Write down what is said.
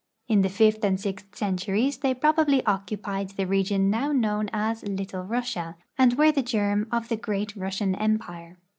In the fifth and sixth centuries they prol) ably occu[)ied the region now known as " Little Russia" and were the germ of the great Russian empire.